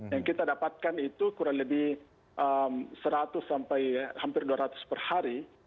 yang kita dapatkan itu kurang lebih seratus sampai hampir dua ratus per hari